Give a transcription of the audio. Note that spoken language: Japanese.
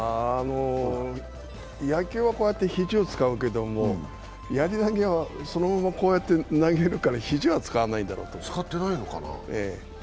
野球はこうやって肘を使うけどやり投げはそのままこうやって投げるから肘は使わないだろう。